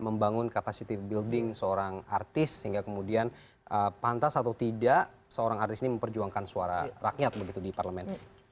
membangun kapasitive building seorang artis sehingga kemudian pantas atau tidak seorang artis ini memperjuangkan suara rakyat begitu di parlemen